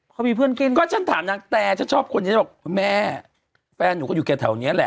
แฟนเขาไม่ใช่ทุกรัฐอีกแม่